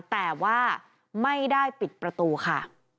แต่ว่าไม่ได้ปิดประตูค่ะ